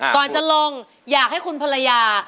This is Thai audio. ก่อนจะลงอยากให้คุณภรรยา